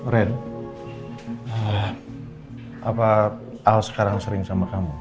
ren apa al sekarang sering sama kamu